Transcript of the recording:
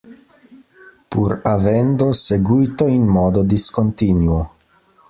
Pur avendo seguito in modo discontinuo.